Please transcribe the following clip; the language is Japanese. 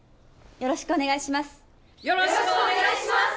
よろしくお願いします！